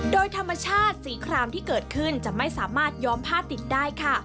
โดยธรรมชาติสีครามที่เกิดขึ้นจะไม่สามารถย้อมผ้าติดได้ค่ะ